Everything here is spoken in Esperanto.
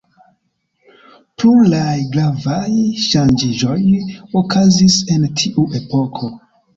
Pluraj gravaj ŝanĝiĝoj okazis en tiu epoko.